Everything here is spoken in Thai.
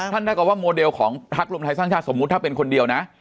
ถ้าเกิดว่าโมเดลของพักรวมไทยสร้างชาติสมมุติถ้าเป็นคนเดียวนะ